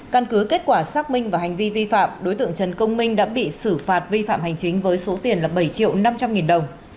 căn cứ kết quả xác minh và hành vi vi phạm đối tượng trần công minh đã bị xử phạt vi phạm hành chính với số tiền là bảy triệu năm trăm linh nghìn đồng